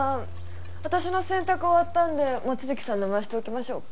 私の洗濯終わったので望月さんの回しておきましょうか？